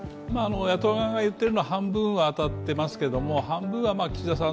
野党側が言っているのは半分は当たってますけれども半分は岸田さん